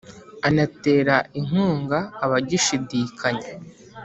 anatera inkunga abagishidikanya